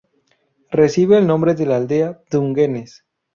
Recibe el nombre de la aldea de Dungeness.